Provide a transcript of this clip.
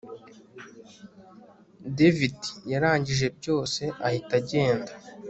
david yarangije byose ahita agenda